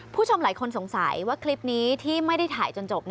คุณผู้ชมหลายคนสงสัยว่าคลิปนี้ที่ไม่ได้ถ่ายจนจบ